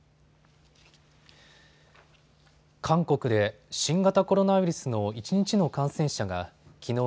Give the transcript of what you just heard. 韓国で新型コロナウイルスの一日の感染者がきのう